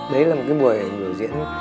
đấy là một cái buổi biểu diễn